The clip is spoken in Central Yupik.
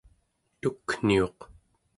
tukniuq